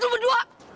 kamu berdua kanan